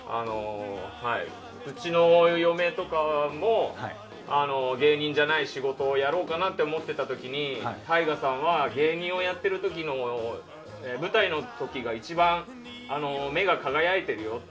うちの嫁とかも、芸人じゃない仕事をやろうかなって思ってた時にＴＡＩＧＡさんは芸人をやっている時舞台の時が一番、目が輝いてるよって。